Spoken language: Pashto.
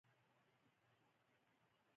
مس د افغانستان د صنعت لپاره مواد برابروي.